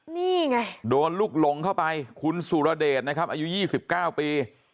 นี่ไงโดนลุกหลงเข้าไปคุณสุรเดชนะครับอายุยี่สิบเก้าปี